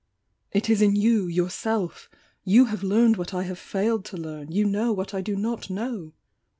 It is in you, yourself — you have learned what I have failed to learn, — you know what I do not know!"